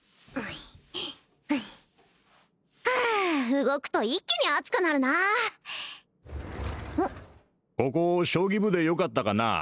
ふう動くと一気に暑くなるなここ将棋部でよかったかな？